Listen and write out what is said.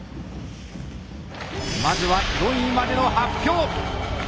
まずは４位までの発表！